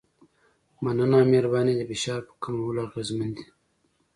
مننه او مهرباني د فشار په کمولو اغېزمن دي.